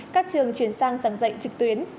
các trường chuyển sang giảng dạy trực tuyến